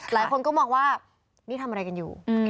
หลายคนก็มองว่านี่ทำอะไรกันอยู่